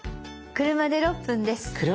車で６分です。